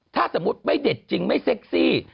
ถ้าสมมุติไม่เด็ดจริงไม่เซ็กซี่